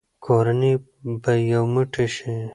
کورنۍ به یو موټی شي.